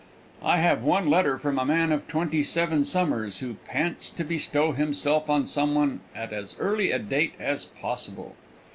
I have one letter from a man of twenty seven summers, who pants to bestow himself on some one at as early a date as possible.